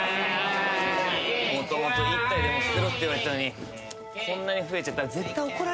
もともと１体でも捨てろって言われたのにこんなに増えちゃったら絶対怒られるよ。